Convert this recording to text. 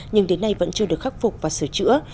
nhưng đến nay vẫn chưa được khắc phục và sửa chữa